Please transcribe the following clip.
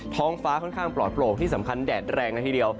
ท้องฟ้าค่อนข้างปลอดโปรกที่สำคัญแดดแรงละทีเดียว